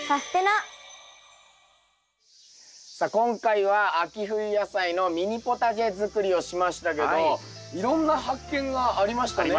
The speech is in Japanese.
さあ今回は秋冬野菜のミニポタジェ作りをしましたけどいろんな発見がありましたね。